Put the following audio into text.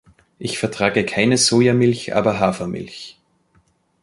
Ich vertrage keine Sojamilch aber Hafermilch.